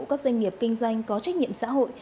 các doanh nghiệp kinh doanh có trách nhiệm xã hội